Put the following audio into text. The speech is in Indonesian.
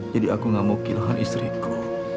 jadi aku enggak mau kehilangan istriku